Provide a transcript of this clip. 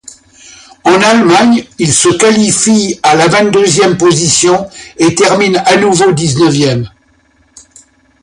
En Allemagne, il se qualifie à la vingt-deuxième position et termine à nouveau dix-neuvième.